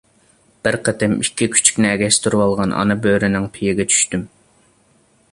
بىر قېتىم ئىككى كۈچۈكنى ئەگەشتۈرۈۋالغان ئانا بۆرىنىڭ پېيىگە چۈشتۈم.